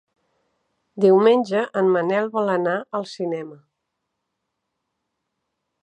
Diumenge en Manel vol anar al cinema.